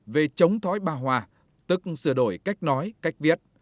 về chống thói bà hòa tức sửa đổi cách nói cách viết